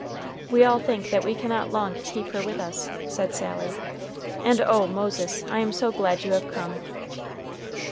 "We all think that we cannot long keep her with us," said Sally. "And oh, Moses, I am so glad you have come."